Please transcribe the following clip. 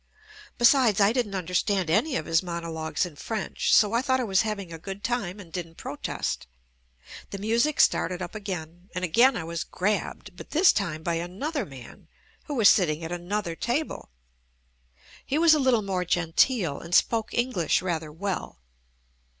Besides I didn't understand any of his mono logues in French so I thought I was having a good time and didn't protest, — the music started up again, and again I was "grabbed" but this time by another man who was sit ting at another table. He was a little more genteel and spoke English rather well.